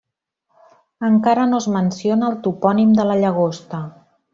Encara no es menciona el topònim de la Llagosta.